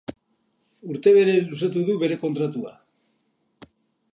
Urte bere luzatu du bere kontratua.